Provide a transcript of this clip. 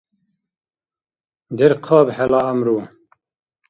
Дерхъаб хӀела гӀямру!